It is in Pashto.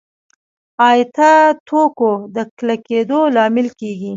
غایطه توکو د کلکېدو لامل کېږي.